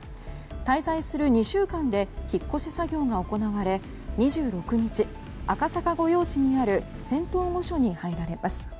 滞在する２週間で引っ越し作業が行われ２６日、赤坂御用地にある仙洞御所に入られます。